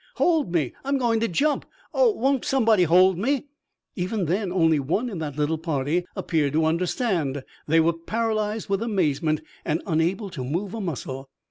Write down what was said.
"Hold me! I'm going to jump! Oh, won't somebody hold me?" Even then only one in that little party appeared to understand. They were paralyzed with amazement and unable to move a muscle.